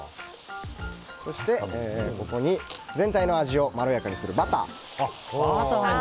そして、ここに全体の味をまろやかにするバター。